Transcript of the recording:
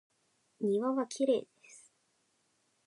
庭はきれいです。